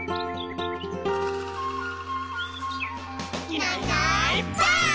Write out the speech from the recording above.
「いないいないばあっ！」